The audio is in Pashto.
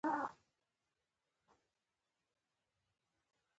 ځای پر ځاې کېناست.